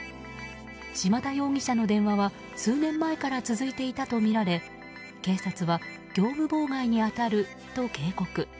島田容疑者の電話は数年前から続いていたとみられ警察は、業務妨害に当たると警告。